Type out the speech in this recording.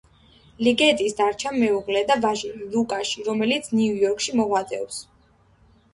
ლიგეტის დარჩა მეუღლე და ვაჟი, ლუკაში, რომელიც ნიუ-იორკში მოღვაწეობს.